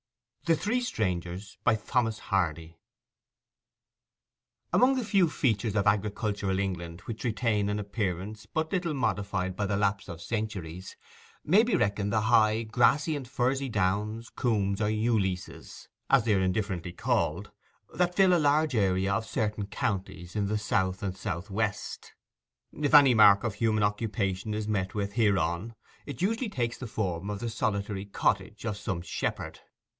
THE THREE STRANGERS Among the few features of agricultural England which retain an appearance but little modified by the lapse of centuries, may be reckoned the high, grassy and furzy downs, coombs, or ewe leases, as they are indifferently called, that fill a large area of certain counties in the south and south west. If any mark of human occupation is met with hereon, it usually takes the form of the solitary cottage of some shepherd.